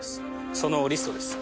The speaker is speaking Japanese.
そのリストです。